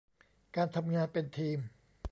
การทำงานเป็นทีม